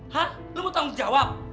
hah lo mau tanggung jawab